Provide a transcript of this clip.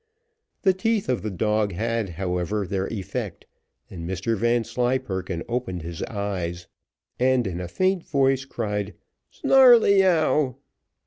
The teeth of the dog had, however, their effect, and Mr Vanslyperken opened his eyes, and in a faint voice cried "Snarleyyow."